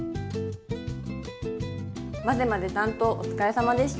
まぜまぜ担当お疲れさまでした。